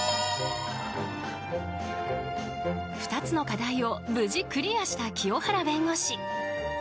２つの課題を無事クリアした清原弁護士。